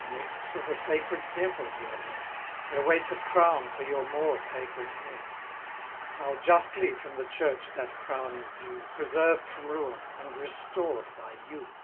Next to the sacred temple you are led, Where waits a crown for your more sacred head: How justly from the church that crown is due, Preserved from ruin, and restored by you!